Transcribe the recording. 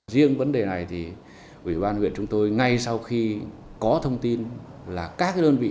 riêng vấn đề này thì ủy ban huyện chúng tôi ngay sau khi có thông tin là các đơn vị